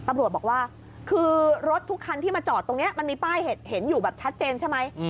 ตำรวจบอกว่าคือรถทุกคันที่มาจอดตรงนี้มันมีป้ายเห็นอยู่แบบชัดเจนใช่ไหม